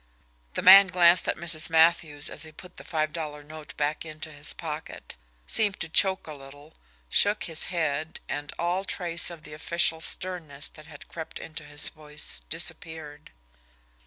The man glanced at Mrs. Matthews as he put the five dollar note back into his pocket, seemed to choke a little, shook his head, and all trace of the official sternness that had crept into his voice disappeared.